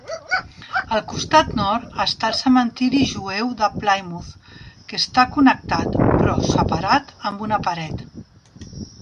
Al costat nord-està el cementiri jueu de Plymouth, que està connectat, però separat amb una paret.